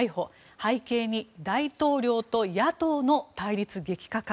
背景に大統領と野党の対立激化か。